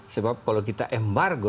sebab kalau kita embargo